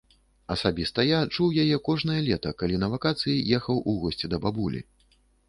Асабіста я чуў яе кожнае лета, калі на вакацыі ехаў у госці да бабулі.